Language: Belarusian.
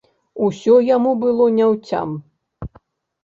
Усё яму было няўцям.